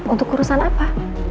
untuk urusan apa